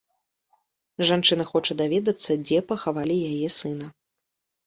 Жанчына хоча даведацца, дзе пахавалі яе сына.